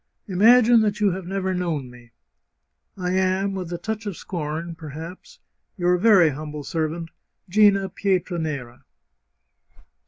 Imagine that you have never known me. I am, with a touch of scorn, perhaps, ^ Your very humble servant, " GiNA PlETRANERA."